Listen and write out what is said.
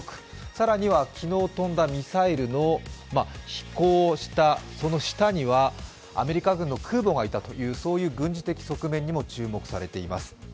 更には昨日飛んだミサイルの飛行した、その下にはアメリカ軍の空母がいたという軍事的側面にも注目されています。